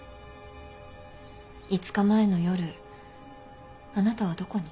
５日前の夜あなたはどこに？